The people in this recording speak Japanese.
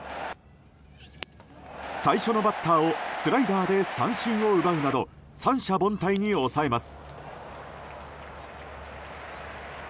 最初のバッターをスライダーで三振を奪うなど三者凡退に抑えます。